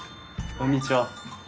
こんにちは。